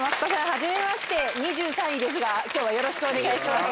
初めまして２３位ですが今日はよろしくお願いします